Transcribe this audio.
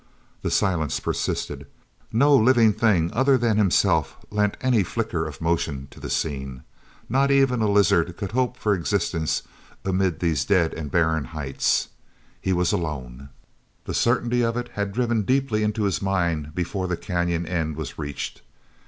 The silence persisted; no living thing other than himself lent any flicker of motion to the scene. Not even a lizard could hope for existence amid these dead and barren heights. He was alone—the certainty of it had driven deeply into his mind before the canyon end was reached.